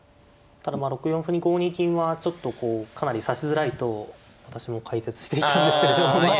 ただまあ６四歩に５二銀はちょっとこうかなり指しづらいと私も解説していたんですけれど。